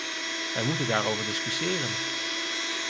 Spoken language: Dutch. Wij moeten daarover discussiëren.